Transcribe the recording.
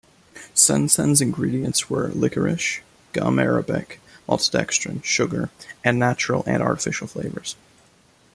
Sen-Sen's ingredients were licorice, gum arabic, maltodextrin, sugar, and natural and artificial flavors.